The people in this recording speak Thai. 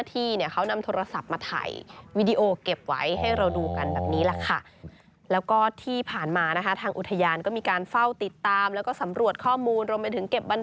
เพราะว่าส่วนใหญ่จะอยู่ในที่น้ำลึก